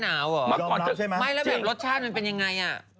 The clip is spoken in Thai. อ้าวมาก่อนแบบเนื้อหมารสชาติเป็นไง